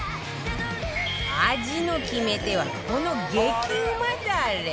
味の決め手はこの激うまダレ